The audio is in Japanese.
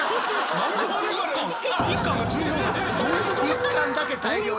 １巻だけ大量に！